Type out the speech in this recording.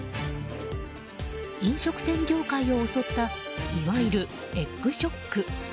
飲食店業界を襲ったいわゆるエッグショック。